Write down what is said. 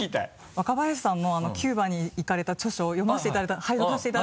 若林さんのキューバに行かれた著書を拝読させていただいた。